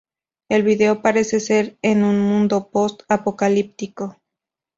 El video parece ser en un mundo post-apocalíptico.